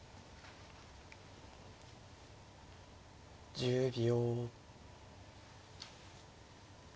１０秒。